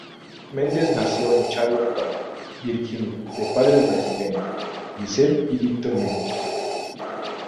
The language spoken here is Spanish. Mendes nació en Charlottesville, Virginia, de padres brasileños, Gisele y Victor Mendes.